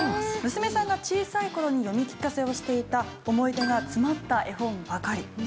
娘さんが小さい頃に読み聞かせをしていた思い出が詰まった絵本ばかり。